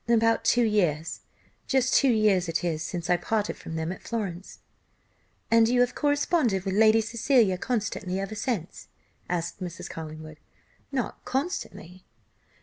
"About two years; just two years it is since I parted from them at Florence." "And you have corresponded with Lady Cecilia constantly ever since?" asked Mrs. Collingwood. "Not constantly."